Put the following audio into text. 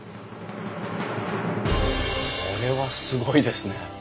これはすごいですね。